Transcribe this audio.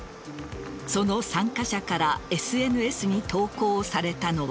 その参加者からＳＮＳに投稿されたのは。